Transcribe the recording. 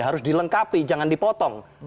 harus dilengkapi jangan dipotong